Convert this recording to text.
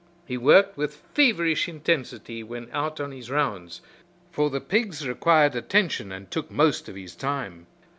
He worked with feverish intensity when out on his rounds, for the pigs required attention and took most of his time.